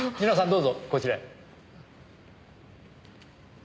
皆さんどうぞこちらへ。